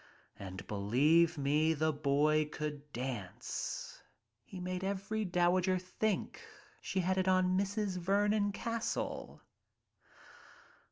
^ And, be lieve me, the boy could dance. He made every dowager think she had it on Mrs. Vernon Castle.